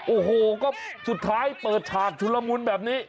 โอ้โหก็สุดท้ายเปิดฉากชุลมุนแบบนี้